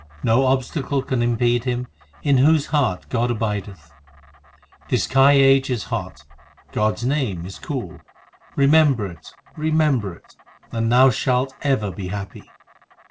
No obstacle can impede him In whose heart God abideth. This Kal age is hot ; God s name is cool ; Remember it, remember it, and thou shalt ever be happy.